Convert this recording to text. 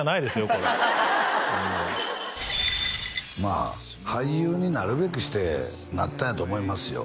これまあ俳優になるべくしてなったんやと思いますよ